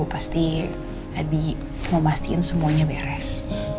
pasti adi mau mastiin semuanya beres